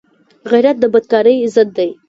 غیرت د بدکارۍ ضد دی